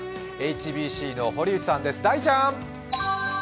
ＨＢＣの堀内さんです、大ちゃん。